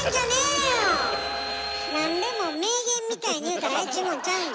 何でも名言みたいに言うたらええっちゅうもんちゃうねん。